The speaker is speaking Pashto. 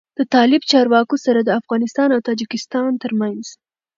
له طالب چارواکو سره د افغانستان او تاجکستان تر منځ